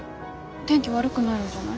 天気悪くなるんじゃない？